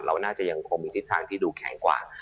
เราน่าจะยังคงมีทิศทางที่ดูแข็งกว่า